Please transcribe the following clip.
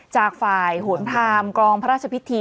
จากฝ่ายโหนทามกองพระราชพิธี